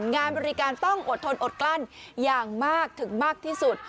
งานบริการต้องอดทนอดกลั้นอย่างมากถึงมากที่สุด